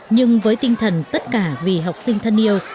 nhưng với tinh thần tất cả vì học sinh thân yêu